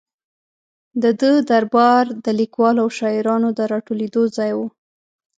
د ده دربار د لیکوالو او شاعرانو د را ټولېدو ځای و.